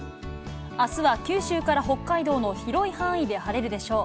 あすは九州から北海道の広い範囲で晴れるでしょう。